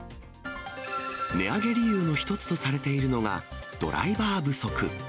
値上げ理由の一つとされているのが、ドライバー不足。